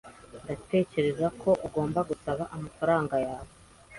Ndatekereza ko ugomba gusaba amafaranga yawe.